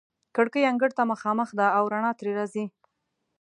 کړکۍ انګړ ته مخامخ دي او رڼا ترې راځي.